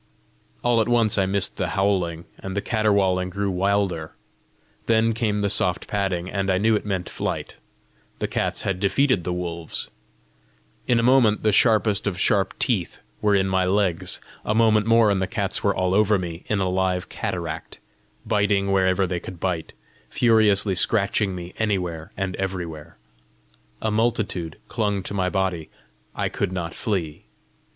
All at once I missed the howling, and the caterwauling grew wilder. Then came the soft padding, and I knew it meant flight: the cats had defeated the wolves! In a moment the sharpest of sharp teeth were in my legs; a moment more and the cats were all over me in a live cataract, biting wherever they could bite, furiously scratching me anywhere and everywhere. A multitude clung to my body; I could not flee.